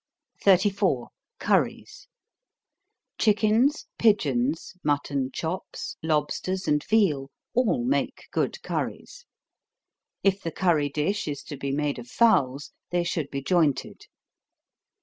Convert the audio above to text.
34. Curries. Chickens, pigeons, mutton chops, lobsters and veal, all make good curries. If the curry dish is to be made of fowls, they should be jointed.